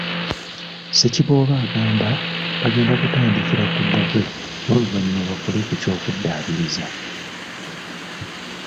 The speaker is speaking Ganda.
Ssekiboobo agamba bagenda kutandikra ku bbugwe n'oluvannyuma bakole ku ky'okugiddaabiriza.